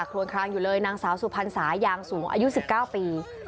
วนคลางอยู่เลยนางสาวสุพรรณสายางสูงอายุ๑๙ปี